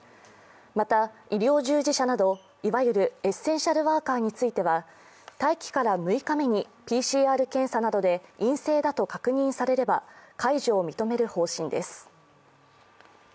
また、医療従事者などいわゆるエッセンシャルワーカーについては、待機から６日目にＰＣＲ検査などで陰性だと確認されれば解除を認める方針です。